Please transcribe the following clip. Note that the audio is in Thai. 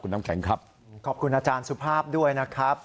น้ำแข็งครับขอบคุณอาจารย์สุภาพด้วยนะครับ